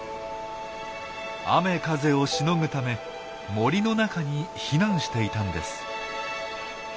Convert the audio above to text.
雨風をしのぐため森の中に避難していたんです。